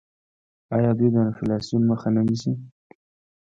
آیا دوی د انفلاسیون مخه نه نیسي؟